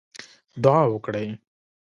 دعا وکړئ